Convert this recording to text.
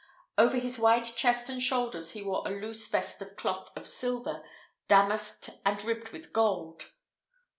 Over his wide chest and shoulders he wore a loose vest of cloth of silver, damasked and ribbed with gold.